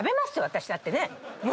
私だってね。